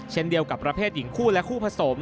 เช่นเดียวกับประเภทหญิงคู่และคู่ผสม